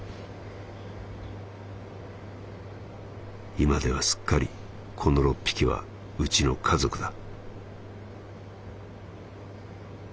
「今ではすっかりこの六匹はうちの家族だ」。